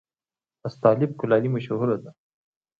استالف کلالي مشهوره ده؟